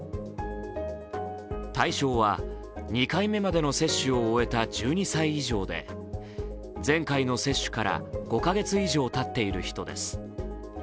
対象は２回目までの接種を終えた１２歳以上で前回の接種から５か月以上たっている人です。